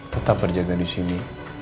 tetap berjaga disini